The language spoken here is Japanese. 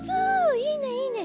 いいねいいね！